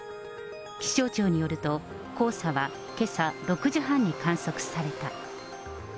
気象庁によると、黄砂はけさ６時半に観測された。